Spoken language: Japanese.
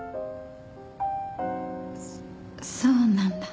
そっそうなんだ。